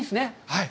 はい。